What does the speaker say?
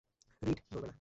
Read, নড়বে না!